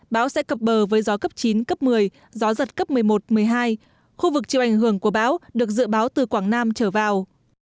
bão sẽ cập bờ với gió cấp chín cấp một mươi gió giật cấp một mươi một một mươi hai khu vực chịu ảnh hưởng của bão được dự báo từ quảng nam trở vào